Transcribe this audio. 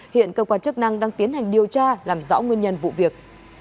hiện cơ quan chức năng đang tiến hành điều tra làm rõ nguyên nhân vụ việc